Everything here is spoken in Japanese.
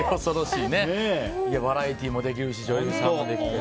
バラエティーもできるし女優さんもできて。